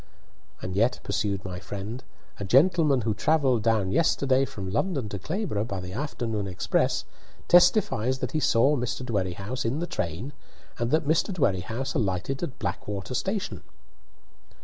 "And yet," pursued my friend, "a gentleman who travelled down yesterday from London to Clayborough by the afternoon express testifies that he saw Mr. Dwerrihouse in the train, and that Mr. Dwerrihouse alighted at Blackwater station."